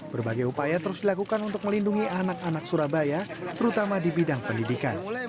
berbagai upaya terus dilakukan untuk melindungi anak anak surabaya terutama di bidang pendidikan